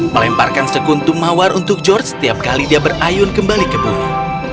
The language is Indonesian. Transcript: melemparkan sekuntum mawar untuk george setiap kali dia berayun kembali ke bumi